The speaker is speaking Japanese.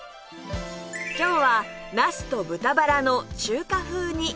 今日はなすと豚バラの中華風煮